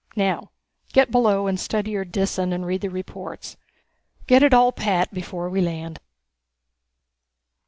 Now get below and study your Disan and read the reports. Get it all pat before we land."